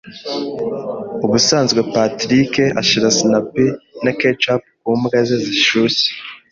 Ubusanzwe Patrick ashyira sinapi na ketchup ku mbwa ze zishyushye.